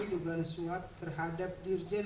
di baris suap terhadap dirjen